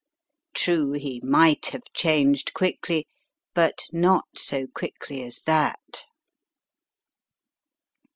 True, he might have changed quickly, but not so quickly as that.